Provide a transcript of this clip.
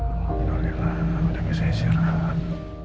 alhamdulillah udah bisa isyarat